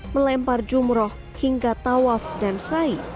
melempar jumroh hingga tawaf dan sai